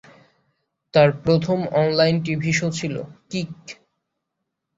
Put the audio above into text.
তার প্রথম online TV show ছিল "কিক"।